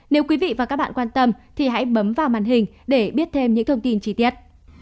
nếu quý vị và các bạn quan tâm thì hãy bấm vào màn hình để biết thêm những thông tin chi tiết